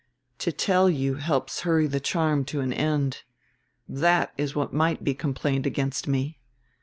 "To tell you helps hurry the charm to an end. That is what might be complained against me.